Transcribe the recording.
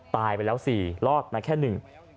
ตายไปแล้วสี่รอดมาแค่หนึ่ง